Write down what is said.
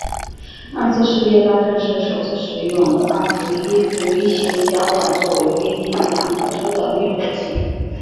二次世界大战时首次使用二氟一氯一溴甲烷作为飞机及坦克车的灭火剂。